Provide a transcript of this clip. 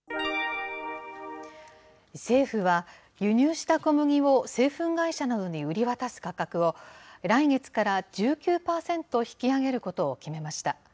政府は、輸入した小麦を製粉会社などに売り渡す価格を、来月から１９％引き上げることを決めました。